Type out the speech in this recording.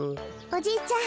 おじいちゃん